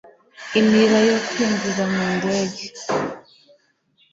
inira yo kwinjira mu ndege